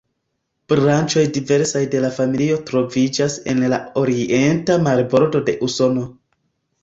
Branĉoj diversaj de la familio troviĝas en la Orienta marbordo de Usono.